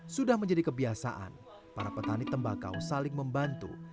sudah menjadi kebiasaan para petani tembakau saling membantu